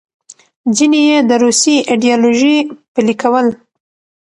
ځینې یې د روسي ایډیالوژي پلې کول.